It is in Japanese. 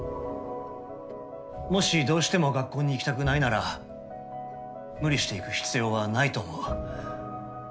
もしどうしても学校に行きたくないなら無理して行く必要はないと思う。